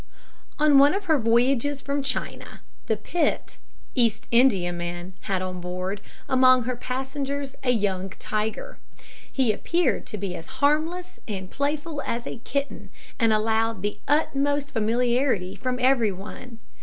On one of her voyages from China, the Pitt, East Indiaman, had on board, among her passengers, a young tiger. He appeared to be as harmless and playful as a kitten, and allowed the utmost familiarity from every one.